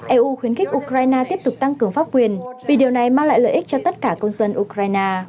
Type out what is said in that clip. eu khuyến khích ukraine tiếp tục tăng cường pháp quyền vì điều này mang lại lợi ích cho tất cả công dân ukraine